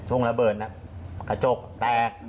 ระเบิดน่ะกระจกแตก